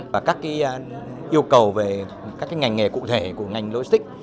và các yêu cầu về các ngành nghề cụ thể của ngành logistics